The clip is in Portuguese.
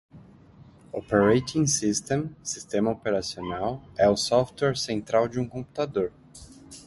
Operating System (Sistema Operacional) é o software central de um computador.